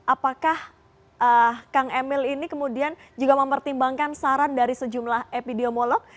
apakah kang emil ini kemudian juga mempertimbangkan saran dari sejumlah epidemiolog